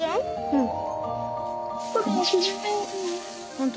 うん。